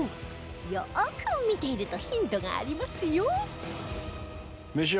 よく見ているとヒントがありますよ